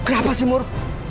kenapa sih mur